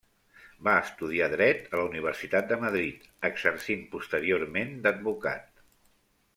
Va estudiar dret a la Universitat de Madrid, exercint posteriorment d'advocat.